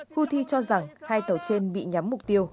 houthi cho rằng hai tàu trên bị nhắm mục tiêu